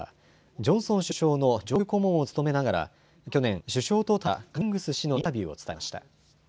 ジョンソン首相の上級顧問を務めながら去年、首相と対立して辞任したカミングス氏のインタビューを伝えました。